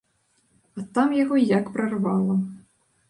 А там яго як прарвала.